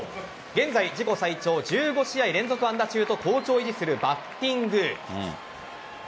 現在、自己最長１５試合連続安打中と好調を維持するバッティング。